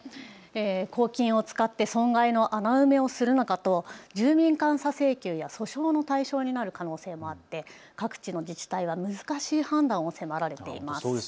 公金を使って損害の穴埋めをするのかと住民監査請求や訴訟の対象になる可能性もあって各地の自治体は難しい判断を迫られています。